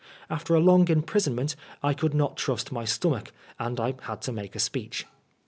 After a long imprisonment I could not trust my stomachy and I had to make a speech.